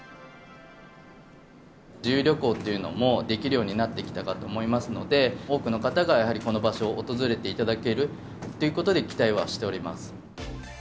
自由旅行というのもできるようになってきたかと思いますので、多くの方がやはりこの場所を訪れていただけるということで期待はしております。